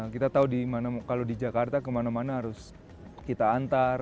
kita tahu kalau di jakarta kemana mana harus kita antar